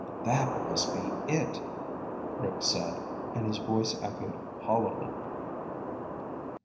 "That must be it," Rick said, and his voice echoed hollowly.